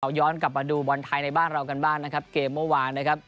วันท้ายในบ้านเรากันบ้างนะครับเกมเมื่อวานนะครับ